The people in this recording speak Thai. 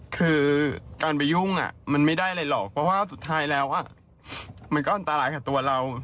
คือการไปยุ่งมันไม่ได้อะไรหรอกเพราะว่าสุดท้ายแล้วมันก็อันตรายกับตัวเรา